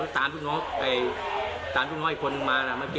แล้วตามทุกน้องไปตามทุกน้องอีกคนนึงมาน่ะเมื่อกี้